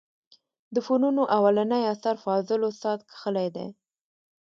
د فنونو اولنى اثر فاضل استاد کښلى دئ.